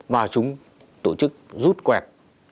và chúng tổ chức rút quẹt